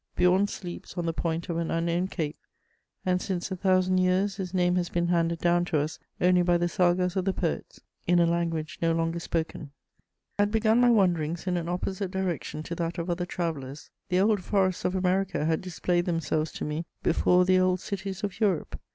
Bjorn sleeps on the point of an unknown cape, and since a thousand years his name has been handed down to us only by the sagas of the poets, in a language no longer spoken. * [Sidenote: Italy.] I had begun my wanderings in an opposite direction to that of other travellers. The old forests of America had displayed themselves to me before the old cities of Europe.